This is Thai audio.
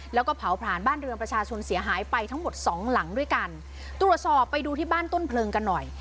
แล้วก็เผาผลาญบ้านเรือนประชาชนเสียหายไปทั้งหมดสองหลังด้วยกันตรวจสอบไปดูที่บ้านต้นเพลิงกันหน่อย